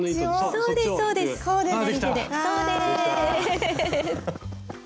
そうですそうです。